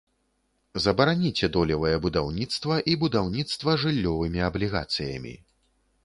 Забараніце долевае будаўніцтва і будаўніцтва жыллёвымі аблігацыямі.